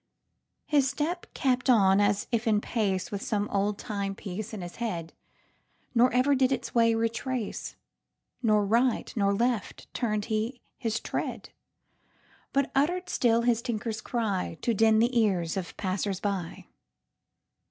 His step kept on as if in paceWith some old timepiece in his head, Nor ever did its way retrace; Nor right nor left turn'd he his tread, But utter'd still his tinker's cryTo din the ears of passersby.